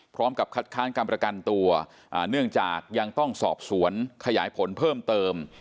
พร้อมกับคัดค้านการประกันตัวเนื่องจากยังต้องสอบสวนขยายผลเพิ่มเติม